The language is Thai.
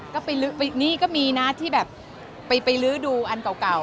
ก็นี่ก็มีที่แบบไปลื้อดูอันเก่า